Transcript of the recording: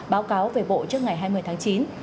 báo cáo về bộ trước ngày hai mươi tháng chín